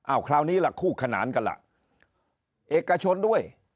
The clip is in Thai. เอาคราวนี้ล่ะคู่ขนานกันล่ะเอกชนด้วย